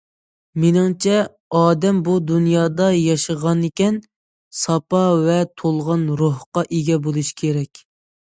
مېنىڭچە، ئادەم بۇ دۇنيادا ياشىغانىكەن، ساپا ۋە تولغان روھقا ئىگە بولۇشى كېرەك.